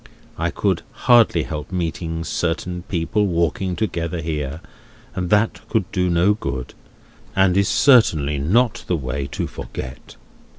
I could hardly help meeting certain people walking together here, and that could do no good, and is certainly not the way to forget.